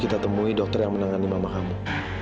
kita akan menemui dokter yang menangani mama kamu